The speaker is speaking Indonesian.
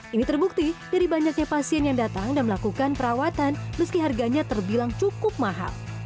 ini terbukti dari banyaknya pasien yang datang dan melakukan perawatan meski harganya terbilang cukup mahal